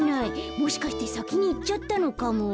もしかしてさきにいっちゃったのかも。